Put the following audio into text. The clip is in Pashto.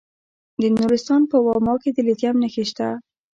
د نورستان په واما کې د لیتیم نښې شته.